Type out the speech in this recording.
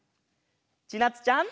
ちなつちゃん。